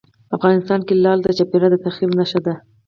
افغانستان کې لعل د چاپېریال د تغیر نښه ده.